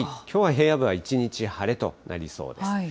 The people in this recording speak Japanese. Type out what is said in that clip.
きょうは平野部は一日晴れとなりそうです。